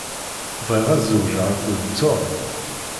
Bɣiɣ ad zewjeɣ akked Tom.